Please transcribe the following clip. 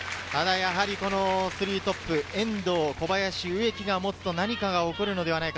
やはり３トップ、遠藤、小林、植木が持つと、何かが起こるのではないか。